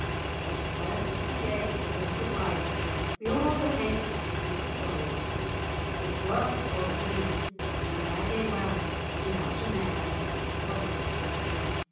But first he gaed to his gude wyfe, Wi' a' the haste that he could thole[#] 'This wark,' quo' he, 'will ne'er gae well Without a mare that has a foal.